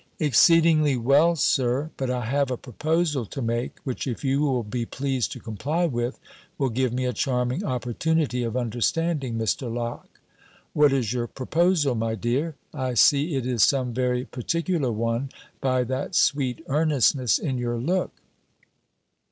"Exceedingly well, Sir. But I have a proposal to make, which, if you will be pleased to comply with, will give me a charming opportunity of understanding Mr. Locke." "What is your proposal, my dear? I see it is some very particular one, by that sweet earnestness in your look."